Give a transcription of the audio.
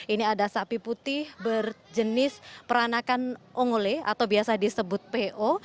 ini ada sapi putih berjenis peranakan ongole atau biasa disebut po